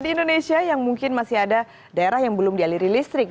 di indonesia yang mungkin masih ada daerah yang belum dialiri listrik